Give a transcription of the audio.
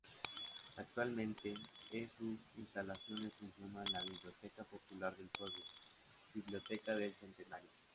Actualmente, es sus instalaciones funciona la biblioteca popular del pueblo, "Biblioteca del Centenario".